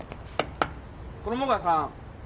衣川さん。